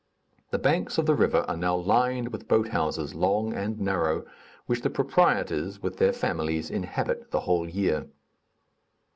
The banks of the river are now lined with boat houses, long and narrow, which the proprietors, with their families, inhabit the whole year.